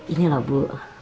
ini loh bu